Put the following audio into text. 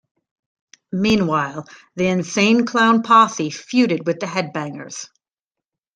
Meanwhile, the Insane Clown Posse feuded with The Headbangers.